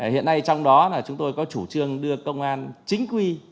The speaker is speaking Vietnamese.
hiện nay trong đó là chúng tôi có chủ trương đưa công an chính quy